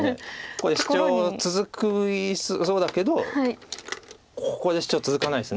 これシチョウ続きそうだけどここでシチョウ続かないです。